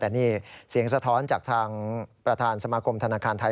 แต่นี่เสียงสะท้อนจากทางประธานสมาคมธนาคารไทย